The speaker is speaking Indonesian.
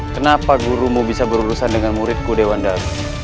kenapa gurumu bisa berurusan dengan muridku dewan daru